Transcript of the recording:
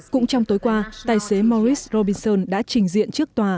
cũng trong tối qua tài xế maurice robinson đã trình diện trước tòa